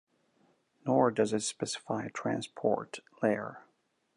Nor does it specify a transport layer.